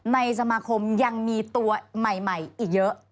ในสมาคมยังมีตัวใหม่อีกเยอะ